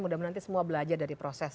mudah mudahan nanti semua belajar dari proses